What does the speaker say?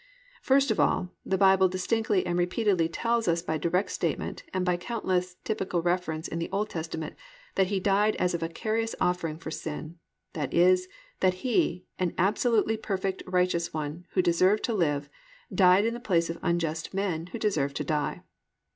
1. First of all, the Bible distinctly and repeatedly tells us by direct statement, and by countless typical reference in the Old Testament, that _He died as a vicarious offering for sin; that is, that He, an absolutely perfect, righteous one, who deserved to live, died in the place of unjust men who deserved to die_.